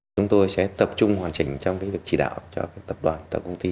chúng tôi sẽ tập trung hoàn chỉnh trong việc chỉ đạo cho tập đoàn tổng công ty